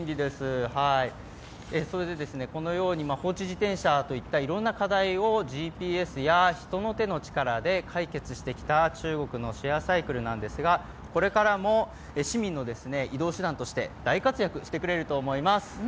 このように放置自転車といったいろんな課題をＧＰＳや人の手の力で解決してきた中国のシェアサイクルですが、これからも市民の移動手段として大活躍してくれると思います。